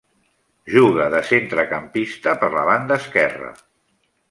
Juga de centrecampista per la banda esquerra.